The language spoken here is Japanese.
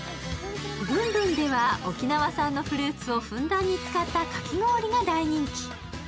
ＢＵＮＢＵＮでは沖縄産のフルーツをふんだんに使ったかき氷が大人気。